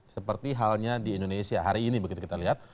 seperti halnya di indonesia hari ini begitu kita lihat